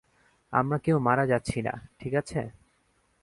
আমরা কেউ মারা যাচ্ছি না, ঠিক আছে?